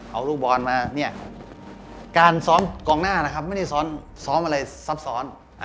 เอาลูกบอลมาการซ้อมกล่องหน้าไม่ได้ซ้อมอะไรซับซ้อน